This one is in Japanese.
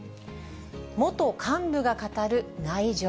元幹部が語る内情。